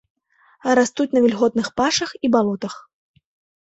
Растуць на вільготных пашах і балотах.